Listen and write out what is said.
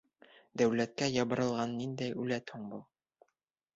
Дәүләткә ябырылған ниндәй үләт һуң был?